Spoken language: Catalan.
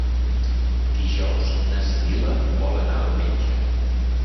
Dijous na Sibil·la vol anar al metge.